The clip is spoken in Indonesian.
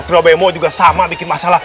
ketua bemo juga sama bikin masalah